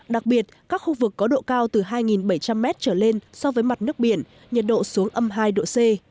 đặc biệt các khu vực có độ cao từ hai bảy trăm linh m trở lên so với mặt nước biển nhiệt độ xuống âm hai độ c